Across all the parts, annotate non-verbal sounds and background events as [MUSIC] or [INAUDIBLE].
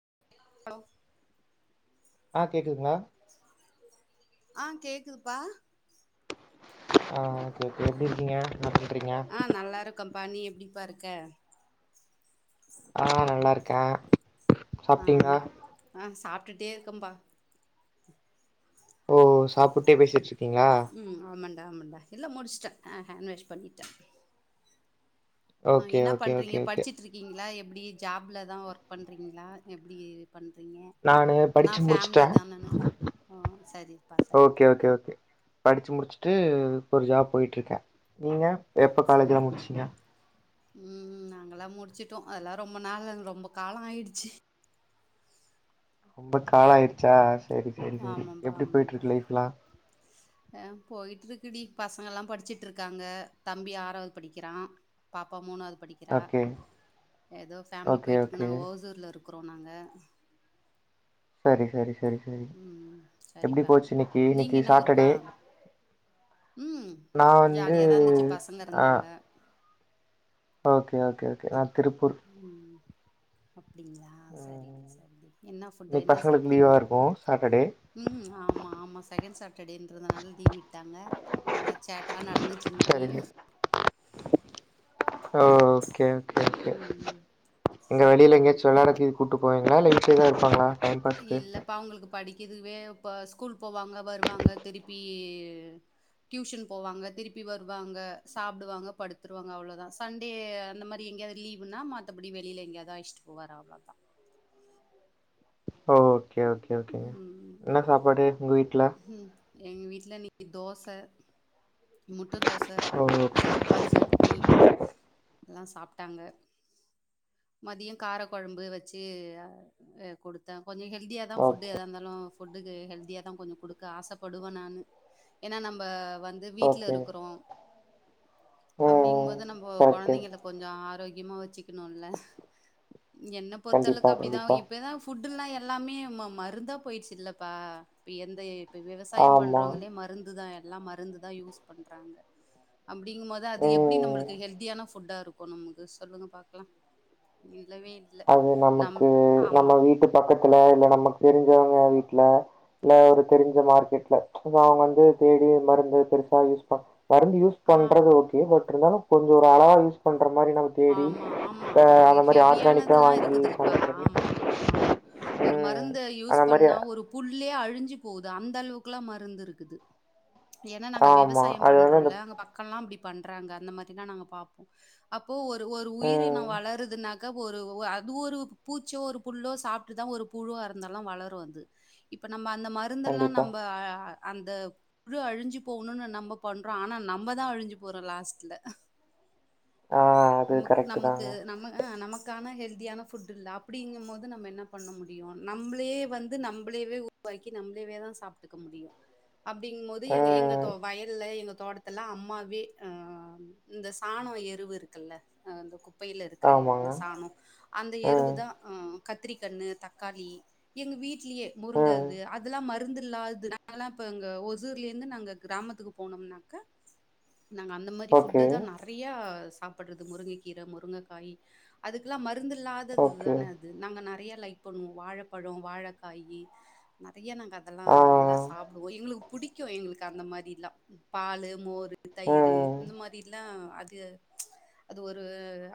[INAUDIBLE] ஆஹ் கேக்குதுங்லா ஆஹ் கேக்குதுப்பா ஆஹ் ஓகே ஓகே எப்டி இருக்கீங்க என்ன பண்றீங்க ஆஹ் நல்லா இருக்கும் பா நீ எப் ப்படிப்ப இருக்க ஆஹ் நல்லாருக்கேன் ஆஹ் ஆஹ் சாப் ட்டுடே இருக்கம்பா ஓ சாப்புட்டே பேசிட்ருக் உம் ஆமாண்டா ஆமண்டா எல்லாம் முடிச்ட்டன் ஆஹ் ஹேண்ட் வாஷ் பண்ணிட்டேன் ஹ ஓகே என்ன ஓகே ஓகே பண்றீங்க ஓகே படிச்சிட்டுருக்கீங்களா எப் ப்டி ஜாப்ல தான் ஒர்க் பண்றீங்ளா எப்டி பண்றீங்க நானு படிச்சு நான் முடிச்சுட்டே ஃபேமிலி தான சரிப்பா சரிப்பா ம்ம் ஒரு ஜாப் போயிட்டுருக்கேன் நீங்க எப்ப காலேஜ்லா முடிச்சிங்க உம் நாங்கல்லாம் முடிச்சிட்டோம் அதெல்லாம் ரொம்ப நாலு ரொம்ப காலம் ஆயிருச்சு ரொம்ப காழம் ஆயிடுச்சா சரி சரி சரி ஆமாம்பா எப்டி ஆமாம்பா போயிற்றுக்கு லைஃப் லா போயிட்டு இருக்கு டி பசங்கள எல்லாம் படிச்சிட்டு இருக்காங்க தம்பி ஆறாவது படிக்கிறான் பாப்பா மூணாவது படிக்கிறா ஓகே ஏதோ ஃபேமிலி ஓகே போயிட்டு இருக்கு ஓகே நாங்க ஓசூர்ல இருக்கோ கொக்குறோம் நாங்க செரி செரி உம் செரிப்பா இன்னைக்கு நீங்க இன்னைக்கு என்ன சாட்டர்டே ஊப்பா ம் நா வந்து ஜாலியாதான் இருந்துச்சு பசங்க [UNINTELLIGIBLE] ஆ இருந்தாங்க ஓகே ஓகே ஓகே நான திருப்பூர் அப் அப்டிங்களா செரி ம் செரி என்ன புட்டு இன்னைக்கு என்ன பசங்களுக்கு லீவா சாப்பட்டீங்க இருக்கு சாட்டர்டே ம் ஆமா செகண்ட் சாட் சாட்டர்டே என்றதுனால லீவ் விட்டுட்டாங்க சேட்ட நடத் [INAUDIBLE] ஓ ஓகே ஒகே ம் எங்க வெளில சரிப்பா எங்கேயாச்சும் வெளாடத்ததி கூட்டு போவே மேல [INAUDIBLE] தான் இருப்பாங்களா டைம் பாஸ்க்கு இல்லப்ப அவங்களுக்கு படி இதுவே இப்ப ஸ்கூல் போவாங்க வருவாங்க திருப்பி டியூஷன் போவாங்க திருப்பி வருவாங்க சாப்படுவாங்க படுத்துருவாங்க அவ்வளோதான் சண்டே அந்த மாரி எங்கேயாவது லீவு்னா மாத்தபடி வெளியில எங்கேயாவது ஆயிச்சட்டு போவாரு அவ்வளவுதான் ஓ ஓகே ஓகே என்ன சாப்பாடு ஒய் ஹம் எங்க வீட்டுல நீ தோச முட்ட தோச ஓ சாம்பார் சட்னி எல்லாம் சாப்பட்டாஙகா மதியம் கார குழம்பு வச்சு கொடுத்தேன் கொஞ்சம் ஹல்தியாக தான்ஃபுட்டு ஓகே எதா இருாலும் புட்டுக்கு ஹல்திய தான் பொதும் கொடுக்க ஆசைப்படுவேன் நானு ஏன்னா நம்ம வந்து வீட்டுல ஓகே இருக்கிறோம் ம் அப்டிங்கும்போது நம்ம கரெக்ட்டு கொழந்தைங்க கொஞ்சம் ஆரோக்கியம் முக்கியமா வச்சுக்கணும்ல என்ன கண்டிப்பா பொறுத்தளவுக்கு அப்டிதான் கண்டிப்பா இப்தான் புஃபுட் எல்லாம் எல்லாமே மருந்தா போயிடுச்சு இல்லப்பா எந்த [INAUDIBLE] இப்ப விவசாயம் ஆமா பண்றவங்களே மருந்து தான் எல்லாம் மருந்து தான் யூஸ் பண்றாங்க அப்டிங்கும்போது அது எப்டி ம் நம்மளுக்கு ஹெல்தியான ஃபுட்டாக இருக்கும் அப்ப நமக்கு சொல்லுங்க பாக்கலாம் இல்லவே இல்ல. அவுங் நம் நமக்கு நம்ம ஆமா. வீட்டு பக்கத்துல இல்ல நமக்கு தெஞ்ச ஞ்சவங்க வீட்டுல இல்ல ஒரு தெரிஞ்ச மார்க்கெட்ல அவங்க வந்து தேடி மருந்து பெருசா யூஸ் பண்ண மருந்து யூஸ் ஆ பண்றது ஓகே பட் இருந்தாலும் கொஞ்சம் ஒரு அளவாயுஸ் பண்ண ற மாரி நம்ம தேடி அந்த மாரி ஆர்கானிக் இதெல்லாம் இருக்குது இல்லப்பா ஆமா ஆமா ஒரு ம். மருந்த யூஸ் அந்த மாரி பண்ணா ஒரு புள்ளே அழு அழிஞ்சு போகுது அந்த அளவுக்குஎல்லாம் மருந்து இருக்குது ஏன்னா நாங்க ஆமா. விவசாயம் அது வந்து அந்த பண்றோம்ல்ல அங்க பக்கம் எல்லாம் அப்படி பண்றாங்க அந்த மாரி தான் நாங்க பார்ப்போம் அப்ப இப்ப ஒரு ம். உயினம் வளறதுனாக் ஒரு அது ஒரு பூச்சோ ஒரு புல்லோ சாப்பிட்டு தான் ஒரு புழுவ இருந்தாலும் வளரும் அது இப்படி நம்ம அந்த மருந்தெல்லாம் கண்டிப்பா. நம்ப அ அந்த பூழு அழிஞ்சு போகணும்னு நம்ம பண்றோம் ஆனா நம்மதான் அழிஞ்சு போறோம் லாஸ்ட்ல ஆ அது நமக்கு கரெக்ட்டு நமக்கு தாங்க. நம்ம ஆஹ் நமக்கு க்கான ஹெல்தியான ஃபுட் இல்ல அப்படிங்கும் போது நம்ம என்ன பண்ண முடியும் நம்மளே வந்து நம்மளே உருவாக்கி நம்மளேதான் சாப்பிட்டுக்க முடியும் அப்படிங்கும் போது எங்க எங்க ம். தே வயல்ல எங்க தோட்டத்தில்லாம் அம்மாவே இந்த சாணம் எருவு இரு இருக்குல்ல அ குப்பையில இருக்கிற ஆமாங்க. அந்த சாணம் அந்த எருவு ம். தான்ஹ கத்திரிக்கண்ணு தக்காளி எங்க வீட்லயே ம். முருங்கது அதெல்லாம் மருந்து இல்லாது நாங்கல்லாம் இப்ப எங்க ஒசூர்ல இருந்து நாங்க கிராமத்துக்கு போனோம்னாக்க நாங்கள் அந்த மாதிரி ஓகே. ஃபுட்டை தான் நிறையா படுறது முருங்கைக்கீரை முருங்கைக்காய் அதுக்கெல்லாம் மறு மருந்து இல்லாதது ஓகே. தான அது நாங்க நறைய லைக் பண்ணுவோம் வாழைப்பழம் வாழைக்காயி நிறையா நாங்கள் அதெல்லாம் ஆ. நல்லா சாப்பிடுவோம் எங்களுக்கு பிடிக்கும் எங்களுக்கு அந்த மாரில்லாம் பால் மோர் தயிர் ம். இந்த மாதிரல்லாம் அது அது ஒரு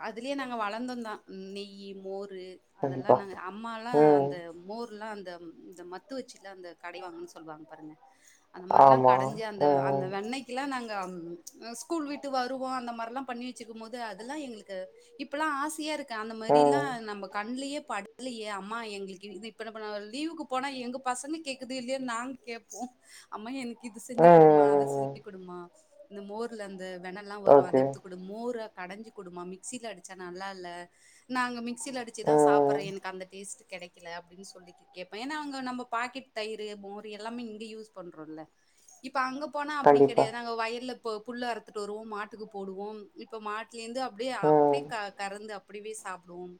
அதுலயே நாங்க வளர்ந்தோம் தான் நெய் மோர் கண்டிப்பா. அதெல்லாம் நாங்க அம்மாலாம் ம். அந்த மோர்லாம் இந்த இந்த மத்து வச்சுில அந்த கடை வாங்க சொல்லுவாங்க பாருங்க அந்த மாதிரிலாம் ஆமா. கடைஞ்சி அந்த ம், அந்த ம். வெண்ணயக்குெல்லாம் நாங்க ஸ்கூல் விீட்டு வருவோம் அந்த மாதிரில்லாம் பண்ணி ச்சுக்கும் போது அதுல்லா எங்குளுக்கு இப்பெல்லா ஆசியா இருக் க்கு அந்த ம். மாதிரில்லாம் நம்ம கண்லியே படத்தியே அம்மா எங்குளுக் இது [UNINTELLIGIBLE] போன எங்கு பசங்க கேக்குது இல்லியோ நாங் கேப்போ அம்மா எனக் இது செஞ்சு ம், குடுமா அத ம், ம். செஞ்சு குடுமா இந்து மோர்ல அந்த வெனல்லா வரும் அத ஓகே. எடுத்து குடுத் மோர கடைஞ்சு குடுமா மிக்ஸியில் அடிச்சா நல்லால்ல நாங்க மிக் மிக்சில அடிச்சிதா ம். சாப்படுற எனக்கு அந்த டேஸ்ட் கெடைக்கில அப்டின் சொல்லிட்டு கேப்பேன் ஏனா அங்க நம்ம பாக்கெட் தயிர் மோர் எல்லாமே இங்க யூஸ் பண்றோல்ல இப் இப்ப அங்க போனா அப்பிடி கண்டிப்பா. கிடையாது அங்க வயில்ல இப்போ புல்ல அறுத்துட்டு வருவோ மாட்டுக்கு போடுவோம் இப்ப மாட் கிலீங் அப்டியா அப்டியி ம். க கரந்து அப்புடிவி சாப்புடுவோம்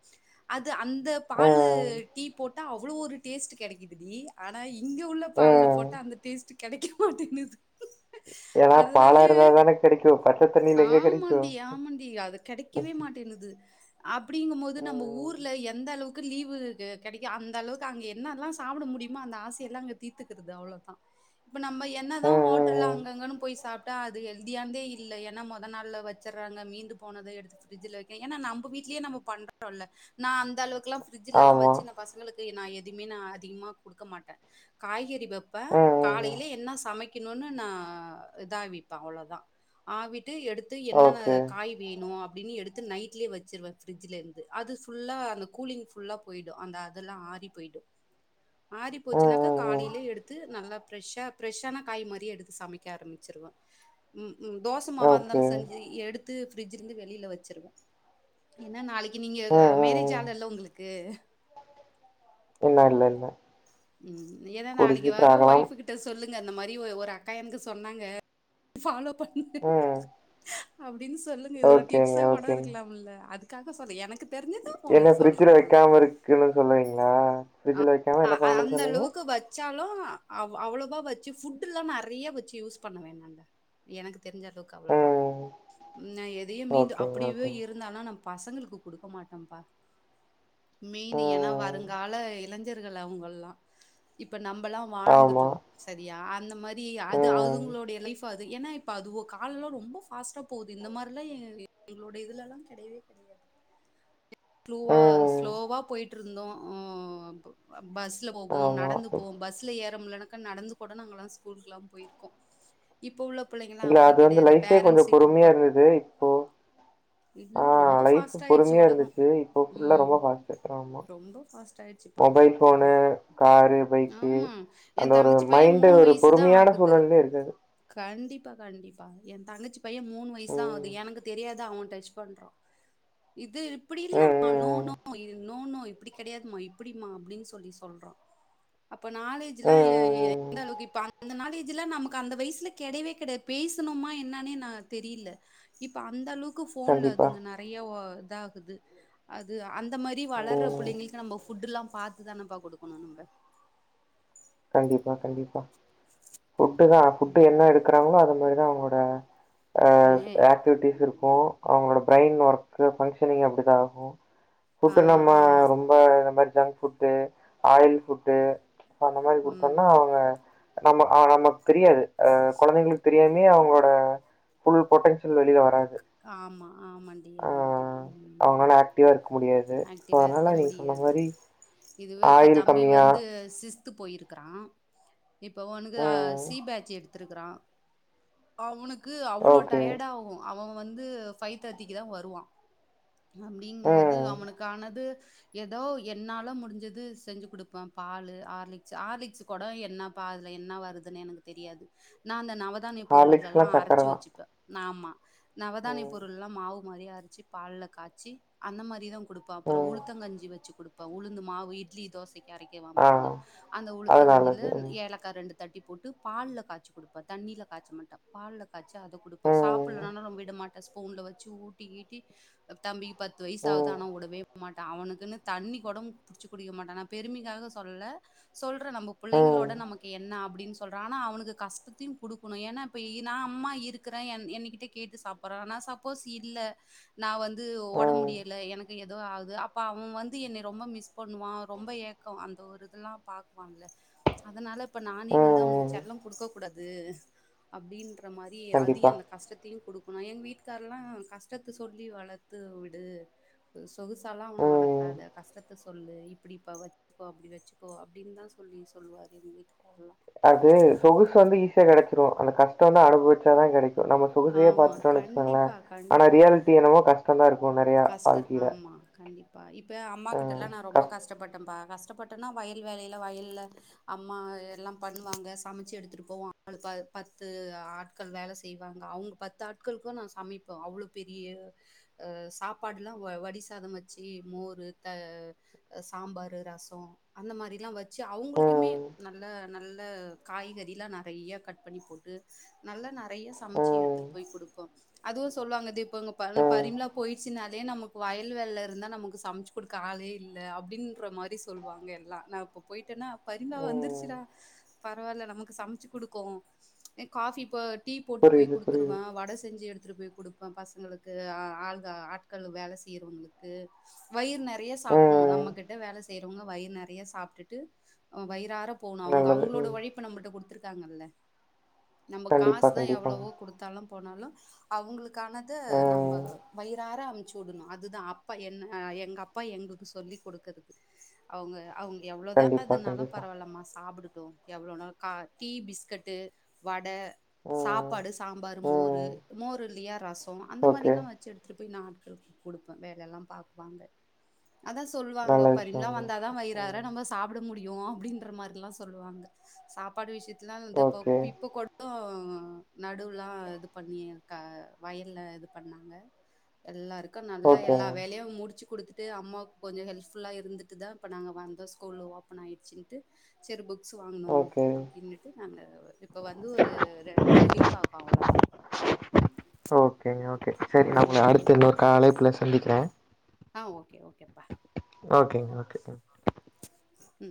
அத் த்து அந்த பாலு ம். டீ போட் தா அவ்வுளோ ஒரு டேஸ்ட் கிடைக்குது டி ஆனா இ இங்க உள்ள பால்ல ம். போட்ட அந்த டேஸ்டு கெடைக்க மாட்டிங்குது ஏன்னா பாலரு வேதன குடுக்கும் பக்கத்தில [UNINTELLIGIBLE] ஆமாண்டி ஆமாண்டி அது கெடைக்கவே மாட்டின்னுது அப் இப்டிங்கும் போது நம்ம ம். ஊர்ல எந்த அளவுக் க்கு லீவு இது கெடைக்க அந்த அளவுக்கு அங்க என்னெல்லாம் சாப்பிட முடியுமோ அந்த ஆசையெல்லா அங்க தீரத்துக்குதுங்கஜ அவ்ளோதா இப்ப நம்ம என்னதா ம், ம், ஹோட்டல்ல ம். அங்க அங்கன் போய் சாப் ட்டா அது எல்தியியானதே இல்ல ஏனா மொத நாள்ல வெச் வெச்சுறாங்க மீந்து போனத எடுத்து ஃபிர்ஜுல வெக்கிறுங்க ஏன்னா நம் வீடலயே நம்ம பண்றோல்ல நா அந்தளவுக்குலா ஃபிரிஜில்ல எல்லாம் ஆமா. வெச்சி இந்த பசங்குளுக் ஏ நா எதுமே நா அதிகமா குடுக்க மாட்டே காய்கறி வெப்பே ம், ம், ம். காலையிலே என்ன சமைக் முடிக்கிணுன்னு நா இதாவிப்பே அவுளோதா ஆவிட்டு எடுத் த்துஸ ஓகே. என்னன்ன காய் வேணு அப் அப்டின்னு எடுத்து நைட்லயே வெச்சிருவே ஃபிரிஜுல இருந்து அது புல்லா அங்க குளிங் புல்லா போயிடு அதெல்லா ஆரிபோய்டு ஆரி ம், போச்சினாக்கா ம், ம். காலிலே எடுத்து நல்லாப் ப்ரெஷ்ஷா ப்ரெஷ்ஷான காய் மாரியே எடுத்து சமைக்க ஆரமிச்சிருவே ம் ம் தோசமாவ இருந்தாலு ஓகே. செ தந்து எடுத் த் ஃபிரிட்ஜில இருந்து வெளியில வச்சிருவேன் ஏன்னா நாளைக் நீங்க இத ம், ம், மேரேஜ் ம். ஆலால்ல உங்களுக்கு இல்ல இல்ல இல்ல ம் ஏன்னா கூடிய நாளைக்கு சீக்கிரம் வர ஆகலாம். ஒயிஃப்பு கிட்ட சொல்லுங் அந்த மாதிரி ஒரு அக்கா எனக்கு சொன்னாங்க ஃபாலோப் பண்ணுங்க உம் அப்படின்னு சொல்லுங்க இது ஒரு டிப்ஸா கூட இருக்கலாம் இல்ல காக்கச் சொல்ல எனக்குத் என்ன ஃபிரிட்ஜில வெக்காம இருக்கனு சொல்றீங்களா ஃபிரிட்ஜில வைக்காம என்ன பண்ணனும் சொன்னீங்க இந்தாலு அவ்வளவா வச்சி ஃபுட்டெல்லா நெறைய வச்சு யூஸ் பண்ணுவே நாங்க எனக் தெரிஞ்ச அளவுக்கு அவ்வள தா ம். நா எதையு மீண்டு ஓகேங்க, அப்டிவே ஓகேங்க. இருந்தாலு நமக் பசங்களுக்கு குடுக்க மாட்டோப்பா மெயினு ஏன்னா ம். வருங்கால இலைஞ் கள் அவங்கெல்லாம் இப்ப நம் நம்பெல்லா ஆமா. வாழ்ந்துட்டோம் செரியா அந்த மாரி ஏ அது ம். அதுங்களோட லைஃப் ஏனா இப்போ அதுவோ காலல்ல லா ரொம்ப ஃபாஸ்ட்டா போது இந்த மாரிலா எ ஏஏ எங்களுடைதுல்லா கெடையவே கெடையாது த்துலூவா ம். ஸ்லோவா போயிட்டு ட்ரோந்தோ ஒஓஓ அப் பஸ்சுல போவோம் ஆமா. நடந்து போவோம் பஸ்சுல ஏற முண்ணலாக்க நடந்து கூட நாங்கெல்லாம் ஸ்கூலுகுக்குலா போயிருக்கோம் இப்ப உள்ள பிள்ளைங்களாம் இல்ல அப்படி அது வந்து கெடையாது லைஃபே பேரண்ட்ஸ் கொஞ்சம் இட்டுட்டு பொறுமையா போறு இருந்தது. இப்போ இல்ல ஆ ரொம்ப லைஃப் ஃபாஸ்ட்டாய்டுசி பொறுமையா உலகம் இருந்துச்சு. இப்போ ஃபுல்லா ம் ரொம்ப ஃபாஸ்ட்டு. ரொம்ப ஃபாஸ்ட் ஆய்டிச்சி பா போனு காரு பைக்கு அந்த என் ஒரு தங்கச்சி பையன் மைண்டு ஒரு வயசு தான் பொறுமையான ஆகுது. சூழ்நிலையில இருக்காது கண்டிப்பா கண்டிப்பா எ தங்கச்சி பையன் மூணு வயசுதான்ஆகுது ம். எனக்கு தெரியாது அவன் டச் பண்றான் இது இப்ப இப்படி ம், இல்லமா நோ ம், ம். நோ இது நோ நோ இப்படி கிடையாதுமா இப்படிமா அப்படின்னு சொல்லி சொல்றோம் அப்ப நாலேஜ்லாம் ம், ம், ம். எந்த அளவுக்கு இப்ப அந்த நாலேஜ்லாம் நமக்கு அந்த வயசுல கெடயவே கெடயாது பேசணுமா என்னானே நான் தெரியல இப்ப அந்த அளவுக்கு க்குபோன்ல கண்டிப்பா. அதுங்க நிறைய இதா அது அது அந்த மாதிரி வளர்ற ம். பிள்ளைங்களுக்கு நம்ம புட்டல்லாம் பாத்து தானப்பா கொடுக்கணும் நம்ம கண்டிப்பா கண்டிப்பா ஃபுட்டு தான்ஃபுட்டு என்ன ம். எடுக்கிறாங்களோ அதுமாரிதான் வேற அ எ ஆக்டிவிட்டிஸ் இருக்கும் அவங்களோட பிரயின் ஒர்க்கு ஃபங்க்ஷனிங் அப்படிதான்ஆகும் ஆ கூட்டு நம்ம ஆமா. ரொம்ப இந்த மாதிரி ஜங்கஃபுட்ட ஆயில்ஃபுட்டு அந்த மாதிரி குடுத்தோம்னா ம். அவங்க நம்ம ஆ நமக்கு தெரியாது குழந்தைங்களுக்கு தெரியாமே அவங்களோட ஃபுல் பொட்டன்ஷியல் வெளிய வராது ஆமா ஆமா டி ஆ ஆமா டி உம் அவங்களால ஆக்டிவா இருக்க முடியாது. ஸோ ஆக்டிவா அதனால இருக்க நீங்க சொன்ன முடியாது மாரி இதுவே இப்ப ஆயில் தம்பி கம்மியா வந்து சிக்ஸ்த் போயிருக்கிறான் இப்ப உனுக்கு ம். சி பேட்சி எடுத்திருக்கிறான் அவனுக்கு அவ்ளோ ஓகே. டயர்டா ஆகும் அவன் வந்து ஃபைவ் தேர்டிக்கு தான் வருவான் அப்படிங் போது ம். அவனுக்கானது ஏதோ என்னாலும் முடிஞ்சது செஞ்சு கொடுப்பேன் பால் ஆர்லிக்ஸ் ஆர்லிக்ச்சு குடம் என்ன பல என்ன வருதுன்னு எனக்கு தெரியாது நான் அந்த நவதானிய பொருள்கள் ஹார்லிக்ஸ்லா எல்லாம் சக்கர அரைச்சு தா வச்சுப்பேன் ஆமா ம் நவதானியப்பொருள்லாம் மாவு மாதிரியரச்சு பால்ல காய்சி அந்த மாதிரிதான் கொடுப்பான் அப்புற ம் உளுத்தங்கஞ்சி வச்சு கொடுப் இப்ப உளுந்து மாவு இட்லி தோசைக்கு இறக்கிருவோம் ஆ பாருங்க அந்த அது உளுத்தங்கஞ்சில நல்லது ம் ஏலக்காய் ரெண்டு தட்டி போட்டு பால்ல காச்சி கொடுப்பன் தண்ணியல காச்ச மாட்டேன் பால்ல ச்சு அதை கொடுப்பம் ம் சாப்பிடலனா ரொம்ப டி மாட்ட ஸ்பூன்ல வச்சு ஊட்டிகீட்டி தம்பிக்கு பத்து வயசு ஆவது ம் ஆனா உடவே மாட்டான் அவனுக்குன்னு தண்ணிகுடம் புடிச்சு குடிக்க மாட்டான் பெருமைக்காக சொல்லல சொல் அப்பறம் நம்ம ம் பிள்ளைங்களோட நமக்கு என்ன அப்படின்னு சொல்றனா அவனுக்கு கஷ்டத்தையும் குடுக்கணும் ஏன்னா இப்ப நான் அம்மா இருக்கிறேன் என் என்னு கிட்ட கேட்டு சாப்பு அப்புற ஆனா சப்போஸ் இல்ல நான் வந்து ஓடம்பு ம் முடியல எனக்கு ஏதோ ஆகுது அப்ப அவன் வந்து என்னை ரொம்ப மிஸ் பண்ணுவான் ரொம்ப ஏக்கம் அந்த ஒரு இதெல்லாம் பாக்குவான்ல அதனால இப்ப நானே வந்து அவனுக்கு ம் செல்லம் குடுக்க கூடாது அப்படின்ற மாரி கண்டிப்பா அதிகம் அந்த கஷ்டத்தையும் குடுக் னா எங்க வீட்டுக்காரல்லாம் கஷ்டத்தை சொல்லி வளத்து விடு சொகுசல்லாம் அவனை ம் வளக்காத கஷ்டத்தை சொல்லு இப்படிப்ப வச்சுக்கோ அப்படி வச்சுக்கோ அப்படின்னு தான் சொல்லி சொல்லுவாரு எங்க வீட்டுக்காரல்லாம் அது சொகுசு வந்து ஈஸியா கிடைச்சிடும் அந்த கஷ்டம் வந்து அனுபவிச்சாதான் கிடைக் நம்ம சொகுசையா ஆமா பாத்துடோம் வச்சுக்கோங்களேன் கண்டிப்பா ஆனா ரியாலிட்டி என்னமோ கஷ்டம் தான் இருக்கு நெறையா கஷ்டம் வாழ்க்கைல ஆமா கண்டிப் ப இப் இப்பவே அம்மா ம் கிட்டெல்லாம் நான் ரொம்ப கஷ் கஷ்டப்பட்டன் பா கஷ் ஷ்டப்பட்டேனா வயல் வேலையில வயல்ல அம்மா எல்லாம் பண்ணுவாங்க சமைச்சு எடுத்துட்டு போவோம் ஆளு ப பத்து ஆட்கள் வேலை செய்வாங்க அவங்க பத்து ஆட்களுக்கும் நான் சமைப்போம் அவ்ளு பெரிய அஹ் சாப்பாடுலாம் வடி சாதம் வச்சு மோர் த சாம்பார் ரசம் அந்த மாரிலாம் வச்சு அவங்களுக்குமே ம் நல்லா நல்ல காய்கறில்லாம் நறைய கட் பண்ணி போட்டு நல்லா நறைய சமைச்சு ம் எடுத்துட்டு போய் குடுப்போம் அதுவும் சொல்லுவாங்க தி இப்போ ங்க ம் பரிமலா போய் ச்சுனாலே நமக்கு வயல் வேல்ல இருந்தா நமக்கு சமைச்சு கொடுக்க ஆளே இல்ல அப்படின்ற மாரி சொல்லுவாங்க எல்லாம் நான் இப்ப போயிட்டேன்னா பரிமளா ம் வந்துருச்சுடா பரவாயில்ல நமக்கு சமைச்சு குடுக்கும் காபி இப்ப டீ போட்டு போய் புரியுது புரியுது குடுத்திருவேன் வடை செஞ்சு எடுத்துட்டு போய் குடுப் இப்ப பசங்களுக்கு அ ஆள் தோ ஆட்கள் வேலை செய்யறவங்களுக்கு வயிறு நெ றைய சாப்பணும் ம் நம்மகிட் ட வேலை செய்யறவங்க வயிற நிறைய சாப்பிட்டுட்டு வயிறார போனும் அவங்க நல்லது அவங்களோட ம் உழைப்ப நம்மிட்ட குடுத்துரு தாங்கல்லே நம்ம காசு கண்டிப்பா தான் கண்டிப்பாங்க எவ்வளவோ குடுத்தாலும் போனாலும் அவங்களுக்கு க்கானத ம் நம்ம வயிறாற அமுச்சு வுடணும் அதுதான் அப்பா என்ன எங்க அப்பா எங்களுக்கு சொல்லி குடுக்குறது அவங்க அவங்க எவ்வளோதான் கண்டிப்பா, இதனாலு கண்டிப்பா. பரவாலமா சாப்புடு டோம் எவ்ளோநாளு கா டீ பிஸ்கட்டு வடை ம், சாப்பாடு சாம்பார் மோரு ம். மோரு இல்லையா ரஸ் போம் அந்த ஓகே. மாரில்லாம் வச்சு எடு நா ஆட்களுக்கு குடுப்பேன் வேலலாம் பாக்குவாங்க அதான் சொல்லுவாங்க நல்ல பரிம்லாம் விஷயங்க. வந்தாதான் வயிறார ம். நம்ம சாப்பிட முடி யும் அப்படின்ற மாரில்லாம் சொல்லுவாங்க சாப்பாடு விஷயத் இத்தநாள் இந்து ப்போ ஓகே. இப்போ கொட் டோம் நடுவுலாம் இது பண்ணி கா வயல்ல இது பண்ணாங்க எல்லாருக்கு க்கா நல்லா எல்லா ஓகேங்க. வேலையும் முடிச்சு குடுத்து அம்மாவு கொஞ்சம் ஹெல்ப்ல்லா இருந்துட்டு தான்நங்க வந்த கூல் ஓபன் ஆயிடுச்சுன்டு சோரி புக் ஸு வாங்கணோம் ஓகே. அப்படின்னுட்டு நல்லது இப்ப வந்து ஒரு ரெண் டூ வீக் ஆகும் அவ்ளோதான் ஓகேங ஒகே சரி நான் உங்க அடுடத்த இன்னொரு காலைப்பு சந்திக்கிறேன் ஆஹ ஓகே ஓகே பாய் ஓகேங்க ஒகே ம்